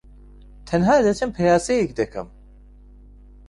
تەنھا دەچم پیاسەیەک دەکەم.